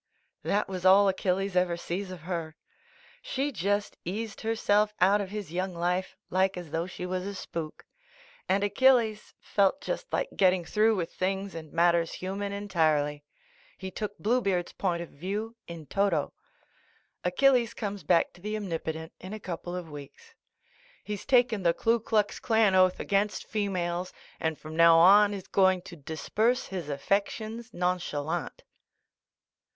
'T'HAT was all Achilles ever sees of her. •*■ She just eased herself out of his young life like as though she was a spook — and Achilles felt just like getting through with things and matters human, entirely. He took Bluebeard's point of view in toto. Achilles comes back to the Omnipotent in a couple of weeks. He's taken the Klu Klux Klan oath against females, and from now on, is going to disburse his affections nonchalant.